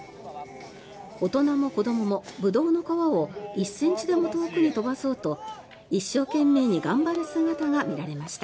大人も子どもも、ブドウの皮を１ｃｍでも遠くに飛ばそうと一生懸命に頑張る姿が見られました。